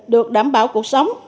được đảm bảo cuộc sống